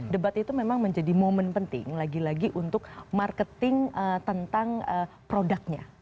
debat itu memang menjadi momen penting lagi lagi untuk marketing tentang produknya